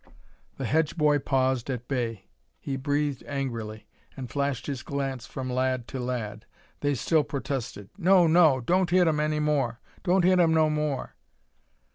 The Hedge boy paused, at bay. He breathed angrily, and flashed his glance from lad to lad. They still protested: "No, no; don't hit 'im any more. Don't hit 'im no more."